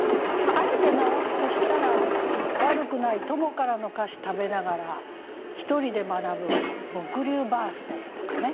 あえて直すとしたら「『わるくない』友からの菓子食べながら一人で学ぶ僕流バースデイ」とかね。